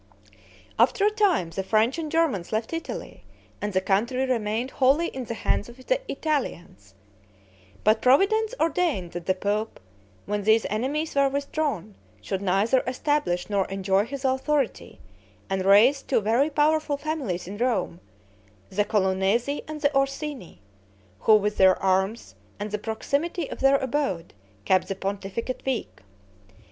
After a time the French and Germans left Italy, and the country remained wholly in the hands of the Italians; but Providence ordained that the pope, when these enemies were withdrawn, should neither establish nor enjoy his authority, and raised two very powerful families in Rome, the Colonnesi and the Orsini, who with their arms, and the proximity of their abode, kept the pontificate weak.